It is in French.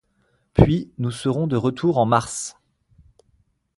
Puis, nous serons de retour en mars.